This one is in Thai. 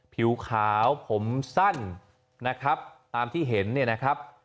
ผิวขาวผมสั้นนะครับตามที่เห็นเนี่ยนะครับ